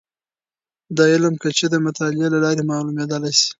د علم کچې د مطالعې له لارې معلومیدلی شي.